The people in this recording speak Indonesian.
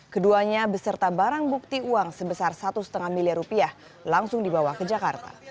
keduanya beserta barang bukti uang sebesar satu lima miliar rupiah langsung dibawa ke jakarta